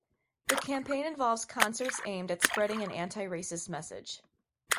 The campaign involves concerts aimed at spreading an anti-racist message.